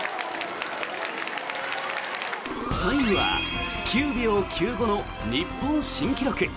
タイムは９秒９５の日本新記録。